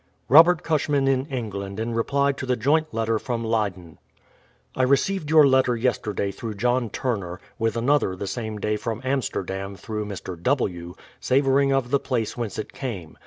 Robert Cushman in England in reply to the joint letter from Ley den: I received your letter yesterday through John Turner, with another the same day from Amsterdam through Mr. W., savour ing of the place whence it came.